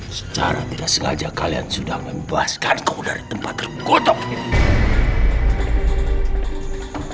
secara tidak sengaja kalian sudah membuaskanku dari tempat tergotok ini